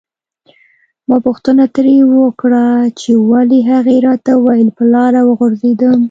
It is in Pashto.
ما پوښتنه ترې وکړه چې ولې هغې راته وویل په لاره وغورځیدم.